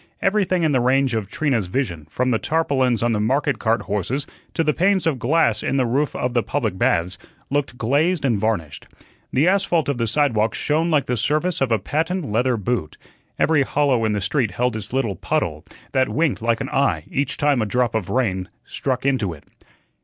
Everything in the range of Trina's vision, from the tarpaulins on the market cart horses to the panes of glass in the roof of the public baths, looked glazed and varnished. The asphalt of the sidewalks shone like the surface of a patent leather boot; every hollow in the street held its little puddle, that winked like an eye each time a drop of rain struck into it.